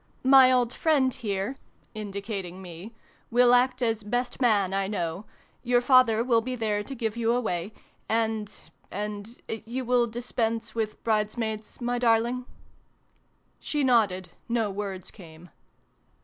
" My old friend here," indicating me, " will act as ' Best Man,' I know : your father will be there to give you away : and and you will dispense with bride's maids, my darling ?" She nodded : no words came.